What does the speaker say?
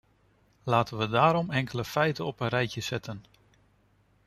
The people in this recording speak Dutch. Laten we daarom enkele feiten op een rijtje zetten.